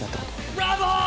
ブラボー！